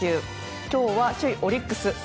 今日は首位オリックス侍